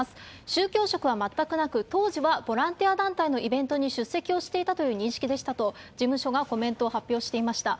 宗教色は全くなく、当時はボランティア団体のイベントに出席をしていたという認識でしたと、事務所がコメントを発表していました。